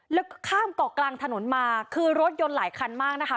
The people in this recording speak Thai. แล้วข้ามเกาะกลางถนนมาคือรถยนต์หลายคันมากนะคะ